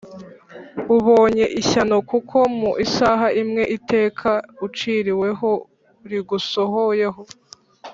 ubonye ishyano kuko mu isaha imwe iteka uciriwe ho rigusohoyeho!”